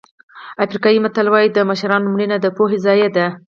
افریقایي متل وایي د مشرانو مړینه د پوهې ضایع ده.